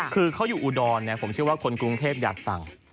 คือเขาอยู่อุดรผมเชื่อว่าคนกรุงเทพอยากสั่ง